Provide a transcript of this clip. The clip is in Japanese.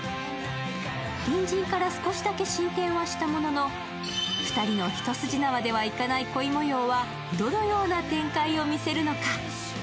隣人から少しだけ進展はしたものの、２人の一筋縄ではいかない恋模様はどのような展開を見せるのか？